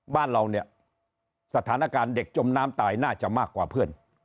บ้านเราเนี่ยสถานการณ์เด็กจมน้ำตายน่าจะมากกว่าเพื่อน